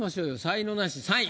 才能ナシ３位。